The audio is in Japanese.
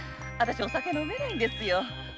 お酒飲めないんですよ。